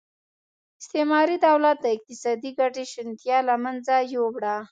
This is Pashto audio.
استعماري دولت د اقتصادي ګټې شونتیا له منځه یووړه.